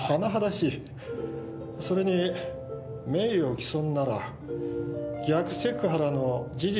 それに名誉棄損なら逆セクハラの事実